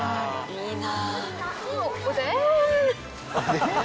いいな。